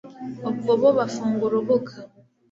ubwo bo bafunga urubuga